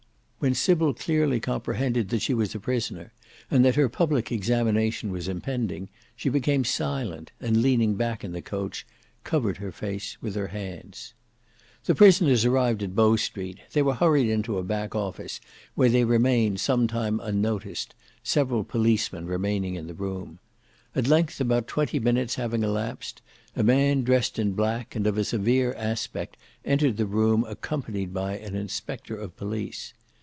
When Sybil clearly comprehended that she was a prisoner, and that her public examination was impending, she became silent, and leaning back in the coach, covered her face with her hands. The prisoners arrived at Bow Street; they were hurried into a back office, where they remained some time unnoticed, several police men remaining in the room. At length about twenty minutes having elapsed, a man dressed in black and of a severe aspect entered the room accompanied by an inspector of police.